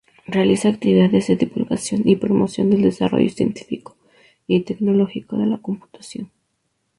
Realiza actividades de divulgación y promoción del desarrollo científico y tecnológico de la computación.